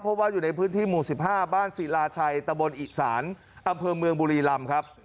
เพราะว่าอยู่ในพื้นที่หมู่๑๕บ้านศิลาชัยตะบนอิสานอำเภอเมืองบุรีรำครับ